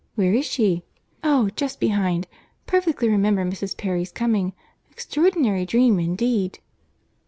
Where is she?—Oh! just behind. Perfectly remember Mrs. Perry's coming.—Extraordinary dream, indeed!"